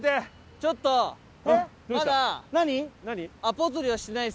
ちょっとまだ。